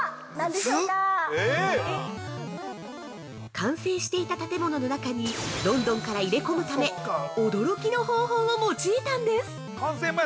◆完成していた建物の中に、ロンドンから入れ込むため驚きの方法を用いたんです！